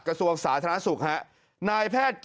กระศวงศ์สาธารณสุขนายแพทย์